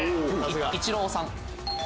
イチローさん。